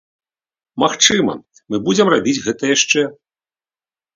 Магчыма, мы будзем рабіць гэта яшчэ.